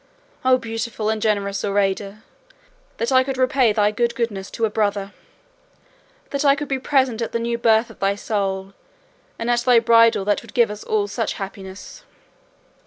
Oh beautiful and generous Zoraida, that I could repay thy good goodness to a brother! That I could be present at the new birth of thy soul, and at thy bridal that would give us all such happiness!"